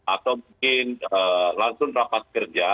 atau mungkin langsung rapat kerja